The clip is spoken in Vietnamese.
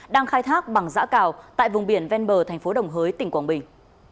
đang khai thác bằng giã cào tại vùng biển ven bờ thành phố đồng hới tỉnh quảng bình